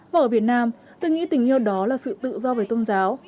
và ở việt nam tôi nghĩ tình yêu đó là sự tự do về tôn giáo